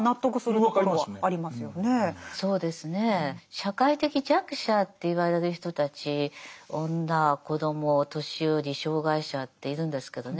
社会的弱者って言われる人たち女・子供・お年寄り・障がい者っているんですけどね